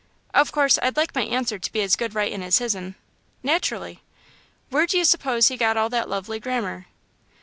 "Of course, I'd like my answer to be as good writin' as his'n." "Naturally." "Where d'you s'pose he got all that lovely grammar?"